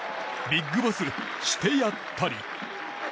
ビッグボス、してやったり。